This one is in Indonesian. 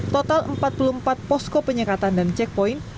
total empat puluh empat posko penyekatan dan checkpoint